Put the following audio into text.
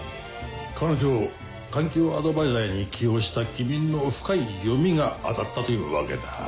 彼女を環境アドバイザーに起用した君の深い読みが当たったというわけだ。